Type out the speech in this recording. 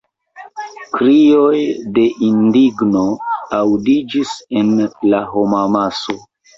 Krioj de indigno aŭdiĝis en la homamaso.